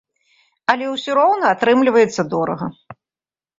Але ўсё роўна атрымліваецца дорага.